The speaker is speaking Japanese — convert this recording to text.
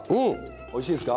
おいしいですか？